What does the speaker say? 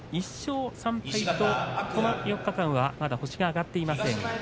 １勝３敗とこの４日間はまだ星が挙がっていません。